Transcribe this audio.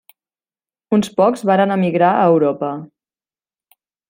Uns pocs varen emigrar a Europa.